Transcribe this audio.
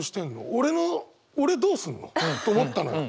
俺の俺どうすんの？と思ったのよ。